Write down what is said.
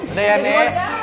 udah ya nek